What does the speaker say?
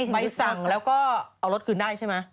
ใบสั่งแล้วก็เอารถคืนได้ใช่ไหม